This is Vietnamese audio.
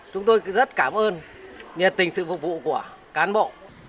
chúng tôi rất cảm ơn nhiệt tình sự phục vụ của cán bộ